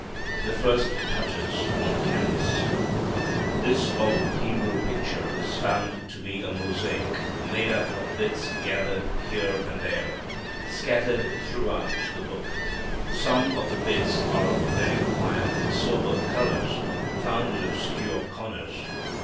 The First Touches on the Canvas. This old Hebrew picture is found to be a mosaic made up of bits gathered here and there, scattered throughout the Book. Some of the bits are of very quiet sober colors found in obscure corners.